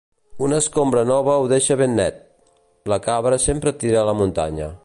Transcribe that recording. Una escombra nova ho deixa ben net. La cabra sempre tira a la muntanya.